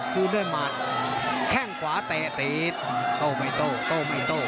คือเดินมาแข้งขวาเตะโต๊ะไม่โต๊ะโต๊ะไม่โต๊ะ